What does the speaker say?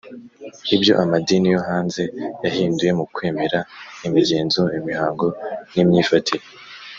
ibyo amadini yo hanze yahinduye mu kwemera, imigenzo, imihango n'imyifatire.